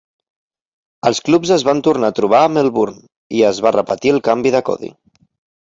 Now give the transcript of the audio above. Els clubs es van tornar a trobar a Melbourne i es va repetir el canvi de codi.